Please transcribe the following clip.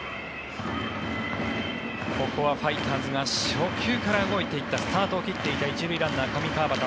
ここはファイターズが初球から動いていったスタートを切っていた１塁ランナー、上川畑。